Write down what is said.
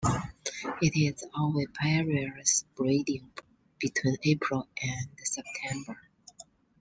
It is oviparous, breeding between April and September.